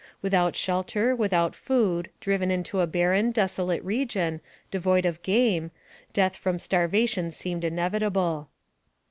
Without shelter, without food, driven into a barren, desolate region, devoid of game, death from starvation seemed in evitable.